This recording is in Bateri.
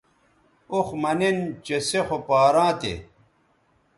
اوخ مہ نِن چہ سے خو پاراں تھے